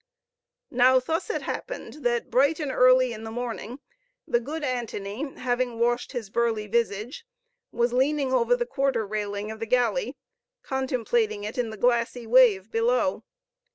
Now thus it happened, that bright and early in the morning, the good Antony, having washed his burly visage, was leaning over the quarter railing of the galley, contemplating it in the glassy wave below.